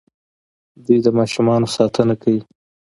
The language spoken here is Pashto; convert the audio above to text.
دوی د ماشومانو ساتنه کوي.